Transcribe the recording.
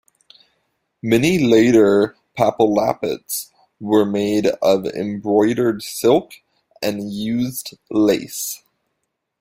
Many later papal lappets were made of embroidered silk and used lace.